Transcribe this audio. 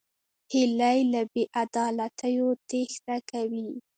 هیلۍ له بېعدالتیو تېښته کوي